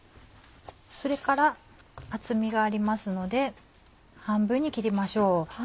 それから厚みがありますので半分に切りましょう。